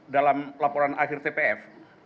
dalam laporan akhir tpf